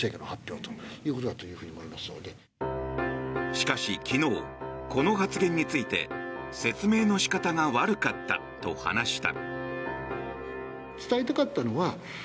しかし、昨日この発言について説明の仕方が悪かったと話した。